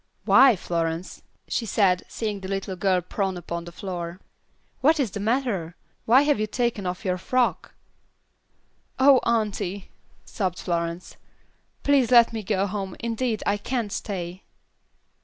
"Why, Florence," she said, seeing the little girl prone upon the floor. "What is the matter? Why have you taken off your frock?" "Oh! auntie," sobbed Florence, "please let me go home; indeed, I can't stay."